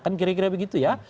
kan kira kira begitu ya